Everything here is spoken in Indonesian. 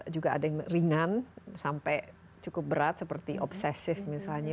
jadi juga ada yang ringan sampai cukup berat seperti obsesif misalnya